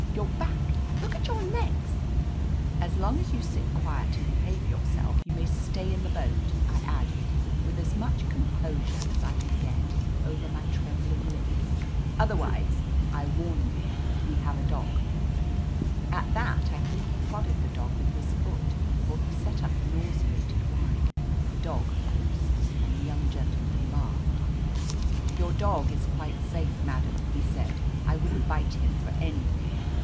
Your hack I Look at your legs I'' "As long as you sit quiet and behave your self, you may stay in the boat," I added with as much composure as I could get over my trem bling lips. "Otherwise, I warn you, we have a dog." At that I think he prodded the dog with his foot, for he set up a nauseated whine — ^the dog, of course — ^and the young gentleman laughed. "Your dog is quite safe, madam," he said. "I wouldn't bite him for anything."